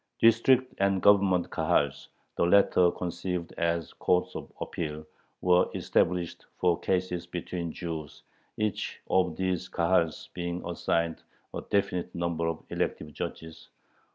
District and Government Kahals, the latter conceived as courts of appeal, were established for cases between Jews, each of these Kahals being assigned a definite number of elective judges.